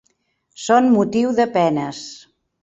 Són motiu de penes.